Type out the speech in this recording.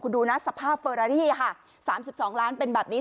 คุณดูนะสภาพเฟอรารี่ค่ะสามสิบสองล้านเป็นแบบนี้